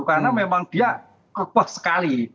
karena memang dia kekuat sekali